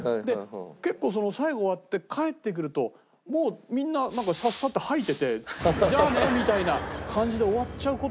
結構最後終わって帰ってくるともうみんなサッサッて掃いてて「じゃあね」みたいな感じで終わっちゃう事があるのね。